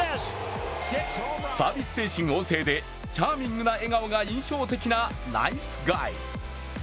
サービス精神旺盛で、チャーミングな笑顔が印象的なナイスガイ。